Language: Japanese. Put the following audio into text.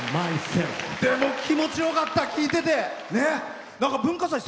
でも、気持ちよかった、聴いてて。